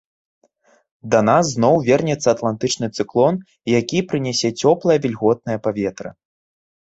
Да нас зноў вернецца атлантычны цыклон, які прынясе цёплае вільготнае паветра.